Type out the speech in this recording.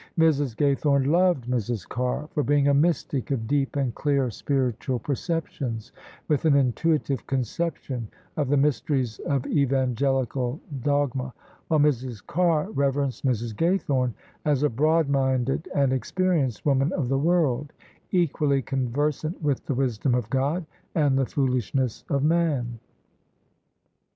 Mrs. Gaythorne loved Mrs. Carr for being a mystic of deep and clear spiritual OF ISABEL CARNABY perceptions, with an intuitive conception of the m3rstcrics of evangelical dogma; while Mrs. Carr reverenced Mrs. Gaythome as a broad minded and experienced woman of the world, equally conversant with the wisdom of God and the foolishness of man.